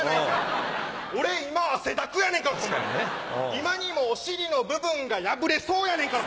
今にもお尻の部分が破れそうやねんから。